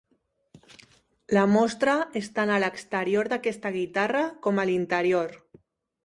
La mostra és tant a l’exterior d’aquesta guitarra com a l’interior.